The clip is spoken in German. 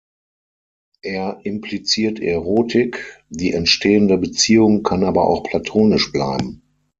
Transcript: Er impliziert Erotik, die entstehende Beziehung kann aber auch platonisch bleiben.